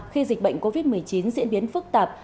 khi dịch bệnh covid một mươi chín diễn biến phức tạp